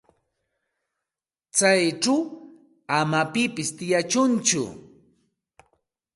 Chayćhu ama pipis tiyachunchu.